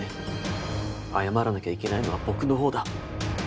謝らなきゃいけないのは僕の方だ。